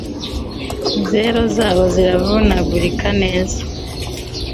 zero zabo ziravunagurika neza